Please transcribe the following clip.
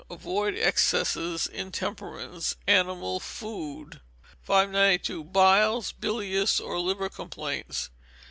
Avoid excesses, intemperance, animal food. 592. Bile, Bilious, or Liver Complaints.